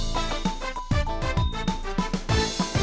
๒มา